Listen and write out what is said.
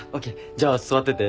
じゃあ座ってて。